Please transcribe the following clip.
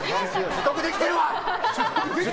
取得できてるわ！